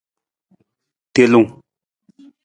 Telung.